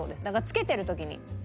漬けてる時に。